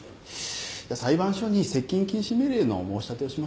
裁判所に接近禁止命令の申し立てをしましょう。